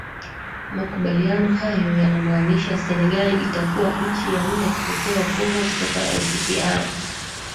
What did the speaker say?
makubaliano hayo yanamaanisha senegal itakuwa nchi ya nane kupokea wafungwa kutoka ict r